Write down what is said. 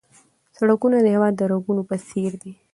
سړکونه د هېواد د رګونو په څېر دي.